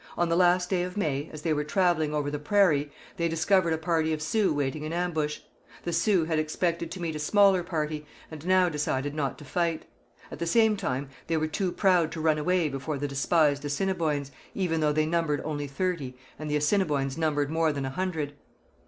On the last day of May, as they were travelling over the prairie, they discovered a party of Sioux waiting in ambush. The Sioux had expected to meet a smaller party, and now decided not to fight. At the same time, they were too proud to run away before the despised Assiniboines, even though they numbered only thirty and the Assiniboines numbered more than a hundred.